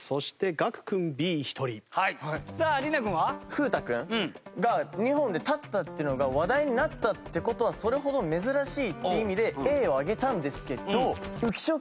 風太くんが２本で立ったっていうのが話題になったって事はそれほど珍しいって意味でＡを上げたんですけど。